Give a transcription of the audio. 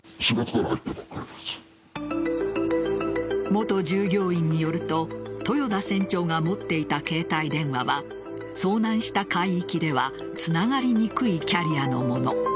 元従業員によると豊田船長が持っていた携帯電話は遭難した海域ではつながりにくいキャリアのもの。